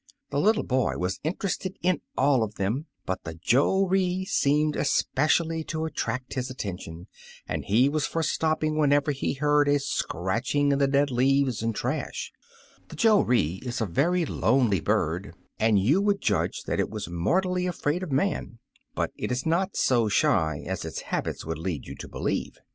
The little boy was interested in all of them, but the joree seemed especially to attract his attention, and he was for stopping when ever he heard a scratching in the dead leaves and trash* The joree is a very lonely bird, and you would judge that it was mor tally afraid of man; but it b not so shy as its habits would lead you to believe.